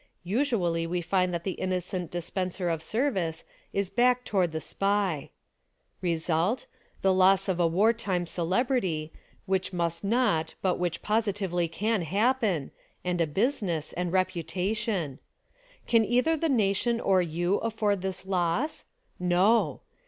Usually we find that the innocent dispenser of service is back toward the SPY. Result : The loss of a war time celebrity^ which must not, but which positively can happen, and a business ; and reputation. Can either the nation or you afford this loss? No.